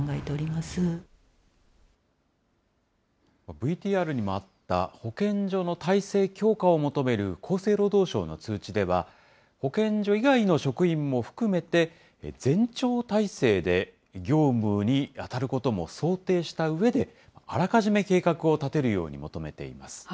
ＶＴＲにもあった保健所の体制強化を求める厚生労働省の通知では、保健所以外の職員も含めて、全庁体制で業務に当たることも想定したうえで、あらかじめ計画を立てるように求めています。